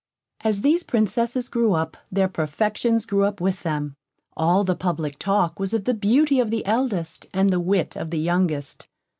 As these Princesses grew up, their perfections grew up with them; all the public talk was of the beauty of the eldest, and the wit of the youngest.